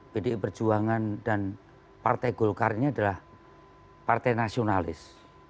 pdi perjuangan dan partai golkarnya adalah partai nasionalis